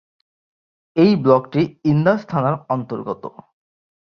এই ব্লকটি ইন্দাস থানার অন্তর্গত।